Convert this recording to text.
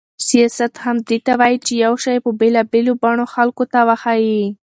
سیاست همدې ته وایي چې یو شی په بېلابېلو بڼو خلکو ته وښيي.